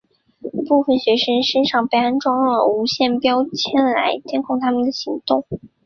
部分学生身上被安装了无线标签来监控他们的行动。